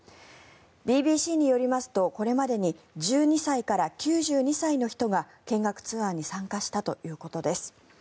ＢＢＣによりますと、これまでに１２歳から９２歳の人が見学ツアーに参加したということです。